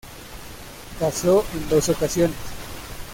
Casó en dos ocasiones.